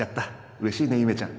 うれしいね夢ちゃん